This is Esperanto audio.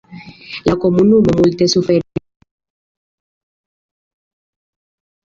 La komunumo multe suferis pro la batalo de Cambrai dum la Unua mondmilito.